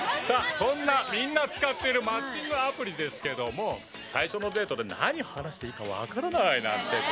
さあそんなみんな使ってるマッチングアプリですけども最初のデートで何話していいか分からないなんて